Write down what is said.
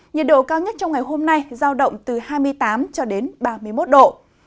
nhiệt độ cao nhất trong ngày hôm nay giao động từ hai mươi tám cho đến ba mươi một độ